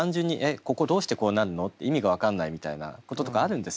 ここどうしてこうなるの？って意味が分かんないみたいなこととかあるんですよ。